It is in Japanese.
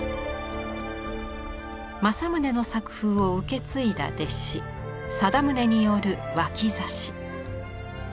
正宗の作風を受け継いだ弟子貞宗による脇差。